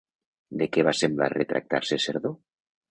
De què va semblar retractar-se Cerdó?